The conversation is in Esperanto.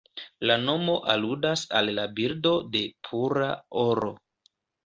La nomo aludas al la bildo de "pura oro".